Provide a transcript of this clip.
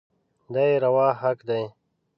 دا يې روا حق دی.